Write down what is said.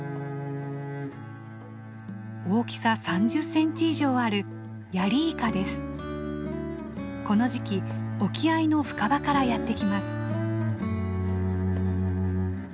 大きさ３０センチ以上あるこの時期沖合の深場からやって来ます。